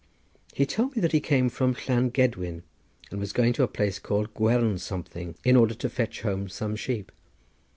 He told me that he came from Llan Gedwin, and was going to a place called Gwern something in order to fetch home some sheep.